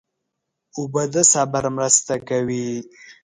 اوبه د صبر مرسته کوي.